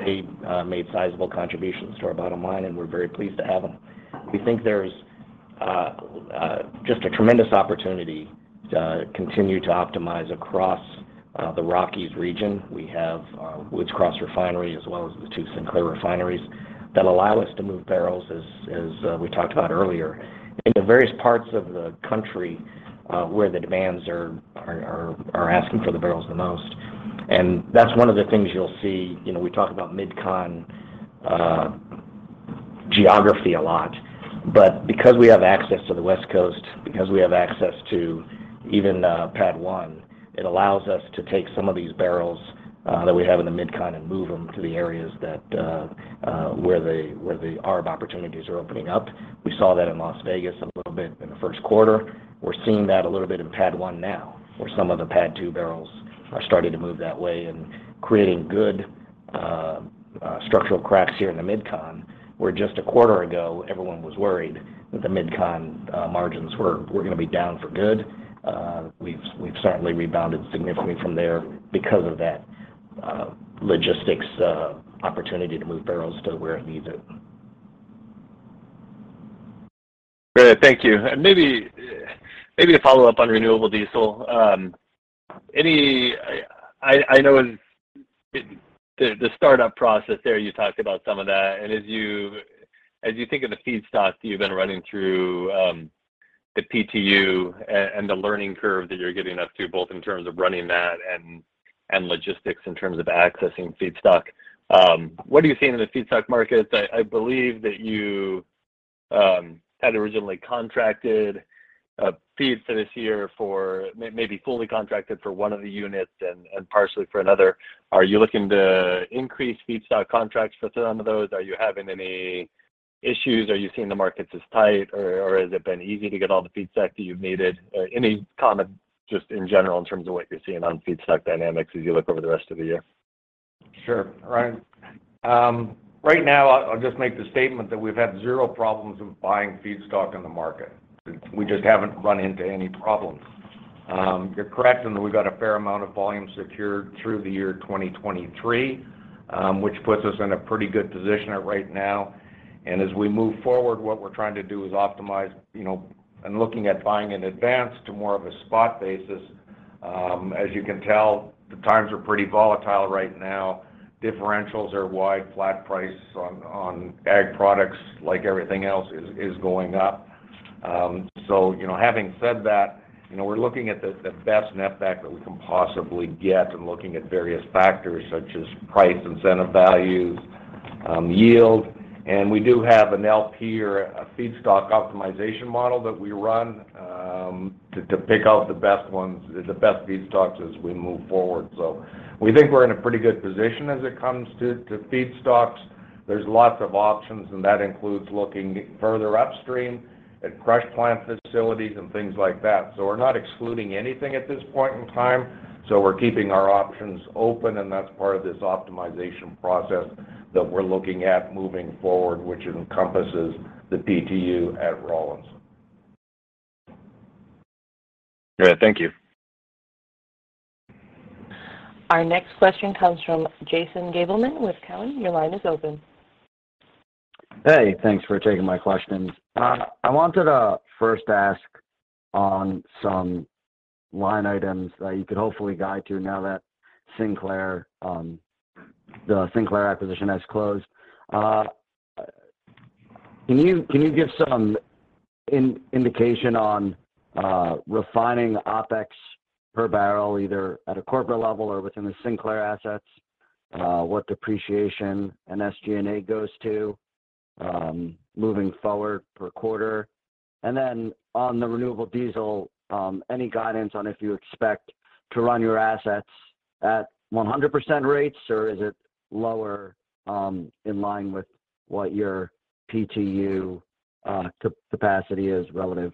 They made sizable contributions to our bottom line, and we're very pleased to have them. We think there's just a tremendous opportunity to continue to optimize across the Rockies region. We have Woods Cross Refinery as well as the two Sinclair refineries that allow us to move barrels as we talked about earlier. Into various parts of the country where the demands are asking for the barrels the most. That's one of the things you'll see. You know, we talk about MidCon geography a lot. Because we have access to the West Coast, because we have access to even PADD 1, it allows us to take some of these barrels that we have in the MidCon and move them to the areas where the ARB opportunities are opening up. We saw that in Las Vegas a little bit in the first quarter. We're seeing that a little bit in PADD 1 now, where some of the PADD 2 barrels are starting to move that way and creating good structural cracks here in the MidCon, where just a quarter ago, everyone was worried that the MidCon margins were gonna be down for good. We've certainly rebounded significantly from there because of that logistics opportunity to move barrels to where it needs it. Great. Thank you. Maybe to follow up on renewable diesel. I know in the startup process there, you talked about some of that. As you think of the feedstock you've been running through, the PTU and the learning curve that you're getting up to, both in terms of running that and logistics in terms of accessing feedstock, what are you seeing in the feedstock markets? I believe that you had originally contracted feeds for this year for maybe fully contracted for one of the units and partially for another. Are you looking to increase feedstock contracts for some of those? Are you having any issues? Are you seeing the markets as tight or has it been easy to get all the feedstock that you've needed? Any comment just in general in terms of what you're seeing on feedstock dynamics as you look over the rest of the year? Sure. Ryan. Right now I'll just make the statement that we've had zero problems with buying feedstock in the market. We just haven't run into any problems. You're correct in that we've got a fair amount of volume secured through the year 2023, which puts us in a pretty good position right now. As we move forward, what we're trying to do is optimize, you know, and looking at buying in advance to more of a spot basis. As you can tell, the times are pretty volatile right now. Differentials are wide. Flat price on ag products, like everything else, is going up. So, you know, having said that, you know, we're looking at the best net back that we can possibly get and looking at various factors such as price, incentive values, yield. We do have an LP or a feedstock optimization model that we run to pick out the best ones, the best feedstocks as we move forward. We think we're in a pretty good position as it comes to feedstocks. There's lots of options, and that includes looking further upstream at crush plant facilities and things like that. We're not excluding anything at this point in time. We're keeping our options open, and that's part of this optimization process that we're looking at moving forward, which encompasses the PTU at Rawlins. Great. Thank you. Our next question comes from Jason Gabelman with Cowen. Your line is open. Hey, thanks for taking my questions. I wanted to first ask on some line items that you could hopefully guide to now that Sinclair, the Sinclair acquisition has closed. Can you give some indication on refining OpEx per barrel, either at a corporate level or within the Sinclair assets? What depreciation and SG&A goes to moving forward per quarter? And then on the renewable diesel, any guidance on if you expect to run your assets at 100% rates, or is it lower in line with what your PTU capacity is relative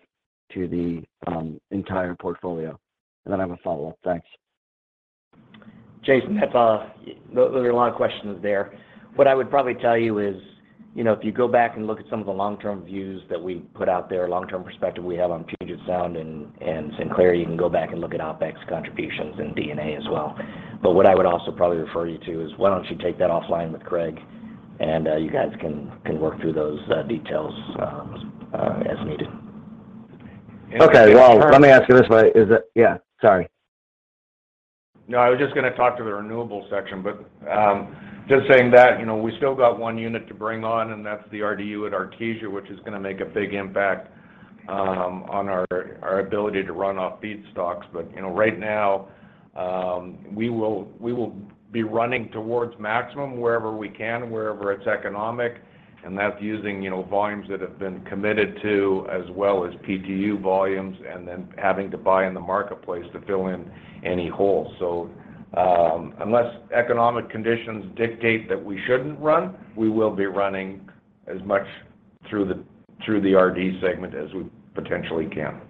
to the entire portfolio? And then I have a follow-up. Thanks. Jason Gabelman, there are a lot of questions there. What I would probably tell you is, you know, if you go back and look at some of the long-term views that we put out there, long-term perspective we have on Puget Sound and Sinclair, you can go back and look at OpEx contributions and D&A as well. What I would also probably refer you to is why don't you take that offline with Craig Biery, and you guys can work through those details as needed. Okay. Well, let me ask you this way. Yeah. Sorry. No, I was just gonna talk to the renewable section, but just saying that, you know, we still got one unit to bring on, and that's the RDU at Artesia, which is gonna make a big impact on our ability to run off feedstocks. You know, right now, we will be running towards maximum wherever we can, wherever it's economic, and that's using, you know, volumes that have been committed to, as well as PTU volumes, and then having to buy in the marketplace to fill in any holes. Unless economic conditions dictate that we shouldn't run, we will be running as much through the RDU segment as we potentially can.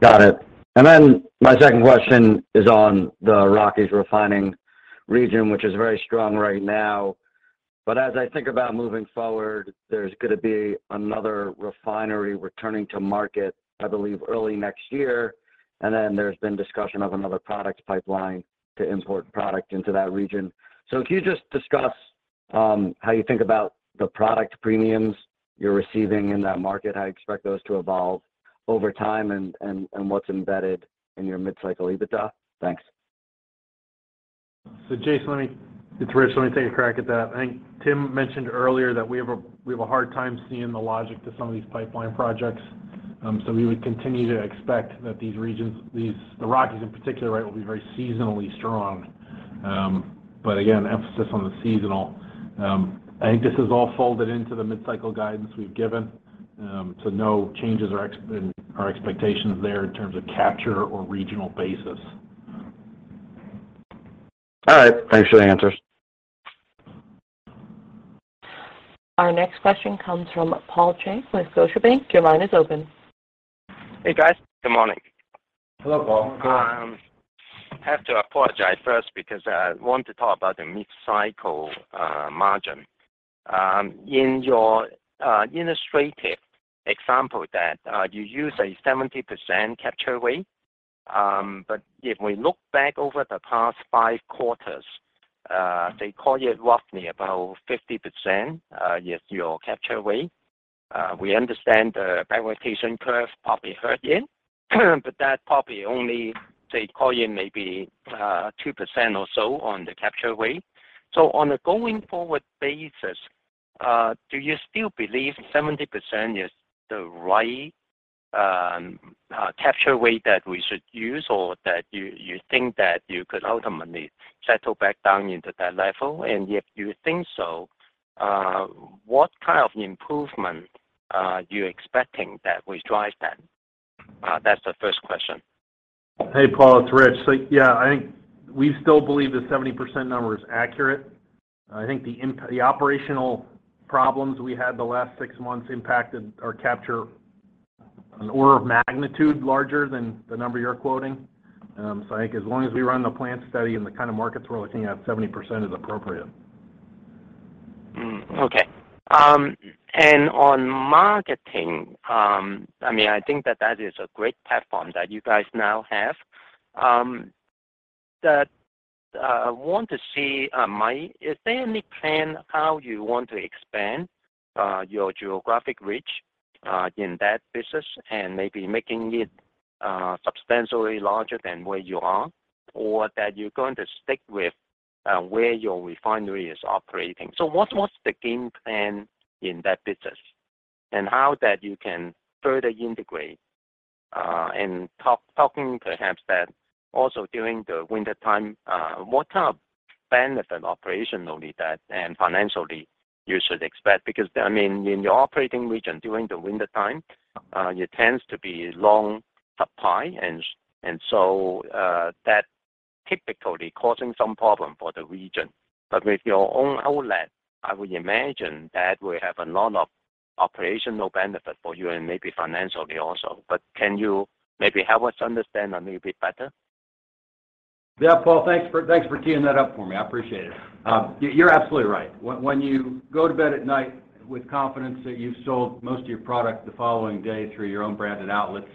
Got it. Then my second question is on the Rockies refining region, which is very strong right now. As I think about moving forward, there's gonna be another refinery returning to market, I believe, early next year. There's been discussion of another product pipeline to import product into that region. If you just discuss how you think about the product premiums you're receiving in that market, how you expect those to evolve over time, and what's embedded in your mid-cycle EBITDA. Thanks. Jason, let me, it's Rich. Let me take a crack at that. I think Tim mentioned earlier that we have a hard time seeing the logic to some of these pipeline projects. We would continue to expect that these regions, the Rockies in particular, right, will be very seasonally strong. But again, emphasis on the seasonal. I think this is all folded into the mid-cycle guidance we've given, so no changes or exceptions in our expectations there in terms of capture or regional basis. All right. Thanks for the answers. Our next question comes from Paul Cheng with Scotiabank. Your line is open. Hey, guys. Good morning. Hello, Paul. Good morning. I have to apologize first because I want to talk about the mid-cycle margin. In your illustrative example that you use a 70% capture rate. But if we look back over the past five quarters, it's roughly about 50% is your capture rate. We understand the prioritization curve probably hurt you, but that probably only cost you maybe 2% or so on the capture rate. So on a going forward basis, do you still believe 70% is the right capture rate that we should use or that you think that you could ultimately settle back down into that level? If you think so, what kind of improvement are you expecting that will drive that? That's the first question. Hey, Paul, it's Rich. Yeah, I think we still believe the 70% number is accurate. I think the operational problems we had the last six months impacted our capture an order of magnitude larger than the number you're quoting. I think as long as we run the plant study in the kind of markets we're looking at, 70% is appropriate. Okay. I mean, I think that is a great platform that you guys now have, that I want to see, is there any plan how you want to expand, your geographic reach, in that business and maybe making it, substantially larger than where you are? Or that you're going to stick with, where your refinery is operating? What's the game plan in that business, and how that you can further integrate, and talking perhaps that also during the wintertime, what kind of benefit operationally that and financially you should expect? Because, I mean, in your operating region during the wintertime, it tends to be long supply and so, that typically causing some problem for the region. With your own outlet, I would imagine that will have a lot of operational benefit for you and maybe financially also. Can you maybe help us understand a little bit better? Yeah, Paul, thanks for teeing that up for me. I appreciate it. You're absolutely right. When you go to bed at night with confidence that you've sold most of your product the following day through your own branded outlets,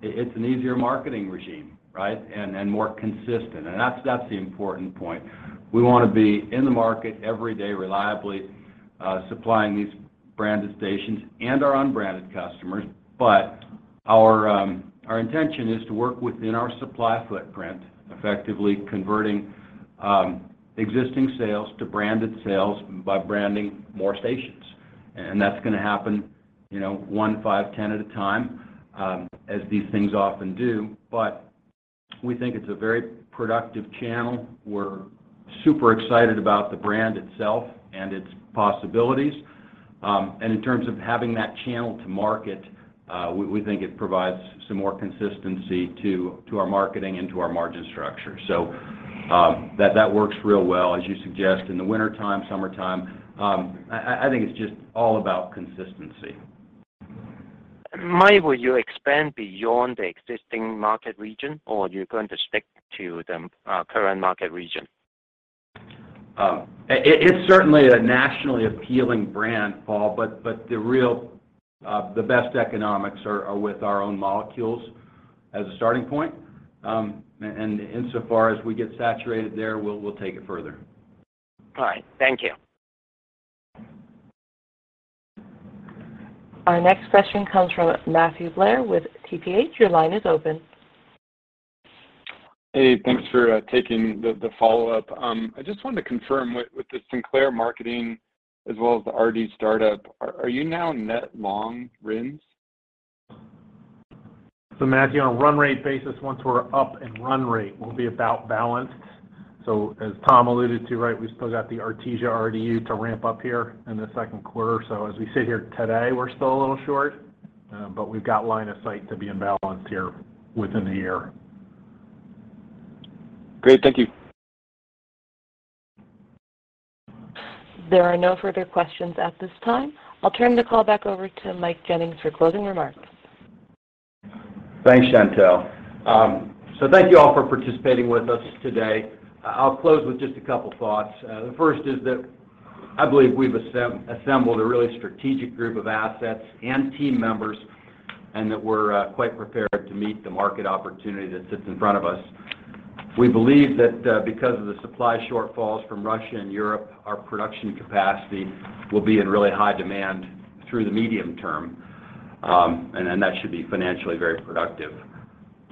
it's an easier marketing regime, right? And more consistent. That's the important point. We wanna be in the market every day, reliably, supplying these branded stations and our unbranded customers. Our intention is to work within our supply footprint, effectively converting existing sales to branded sales by branding more stations. That's gonna happen, you know, 1, 5, 10 at a time, as these things often do. We think it's a very productive channel. We're super excited about the brand itself and its possibilities. In terms of having that channel to market, we think it provides some more consistency to our marketing and to our margin structure. That works real well, as you suggest, in the wintertime, summertime. I think it's just all about consistency. Will you expand beyond the existing market region, or you're going to stick to the current market region? It's certainly a nationally appealing brand, Paul, but the best economics are with our own molecules as a starting point. Insofar as we get saturated there, we'll take it further. All right. Thank you. Our next question comes from Matthew Blair with TPH. Your line is open. Hey. Thanks for taking the follow-up. I just wanted to confirm with the Sinclair marketing as well as the RD startup, are you now net long RINs? Matthew, on a run rate basis, once we're up and run rate, we'll be about balanced. As Tom alluded to, right, we've still got the Artesia RDU to ramp up here in the second quarter. As we sit here today, we're still a little short, but we've got line of sight to be in balance here within the year. Great. Thank you. There are no further questions at this time. I'll turn the call back over to Mike Jennings for closing remarks. Thanks Chantelle. Thank you all for participating with us today. I'll close with just a couple thoughts. The first is that I believe we've assembled a really strategic group of assets and team members, and that we're quite prepared to meet the market opportunity that sits in front of us. We believe that because of the supply shortfalls from Russia and Europe, our production capacity will be in really high demand through the medium term, and then that should be financially very productive.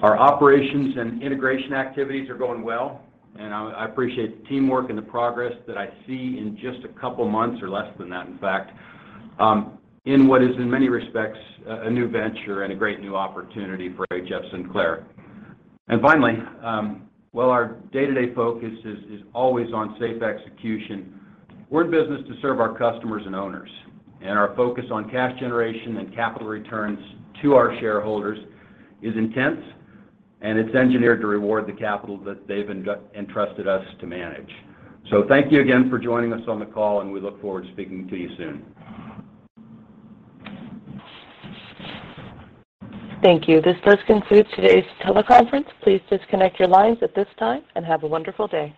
Our operations and integration activities are going well, and I appreciate the teamwork and the progress that I see in just a couple months or less than that, in fact, in what is in many respects a new venture and a great new opportunity for HF Sinclair. Finally, while our day-to-day focus is always on safe execution, we're in business to serve our customers and owners, and our focus on cash generation and capital returns to our shareholders is intense, and it's engineered to reward the capital that they've entrusted us to manage. Thank you again for joining us on the call, and we look forward to speaking to you soon. Thank you. This does conclude today's teleconference. Please disconnect your lines at this time, and have a wonderful day.